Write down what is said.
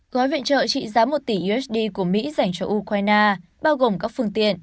gói viện trợ trị giá một tỷ usd của mỹ dành cho ukraine bao gồm các phương tiện